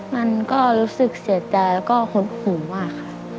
มันก็รู้สึกเสียใจแล้วก็หดหูมากค่ะ